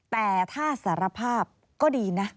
แต่ถ้าสารภาพก็ดีนะ